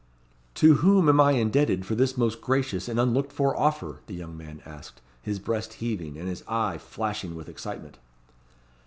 "To whom am I indebted for this most gracious and unlooked for offer?" the young man asked, his breast heaving, and his eye flashing with excitement.